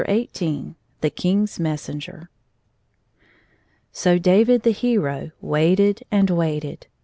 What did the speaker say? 176 XYIII The King's Messenger SO David the hero waited and waited.